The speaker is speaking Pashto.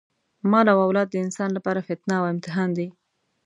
مال او اولاد د انسان لپاره فتنه او امتحان دی.